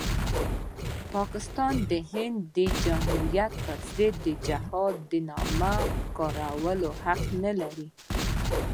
پاکستان د هند د جمهوریت پرضد د جهاد د نامه کارولو حق نلري.